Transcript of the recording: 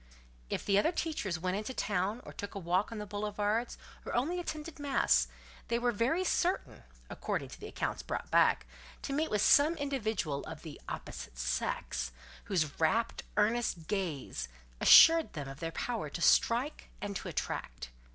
If the other teachers went into town, or took a walk on the boulevards, or only attended mass, they were very certain (according to the accounts brought back) to meet with some individual of the "opposite sex," whose rapt, earnest gaze assured them of their power to strike and to attract.